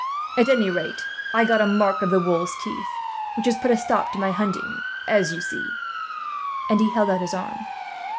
"At any rate, I got a mark of the wolves' teeth, which has put a stop to my hunting, as you see," and he held out his arm.